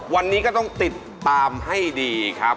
วันนี้ก็ต้องติดตามให้ดีครับ